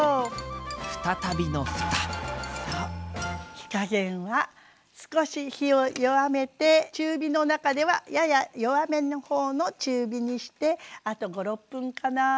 火加減は少し火を弱めて中火の中ではやや弱めの方の中火にしてあと５６分かな。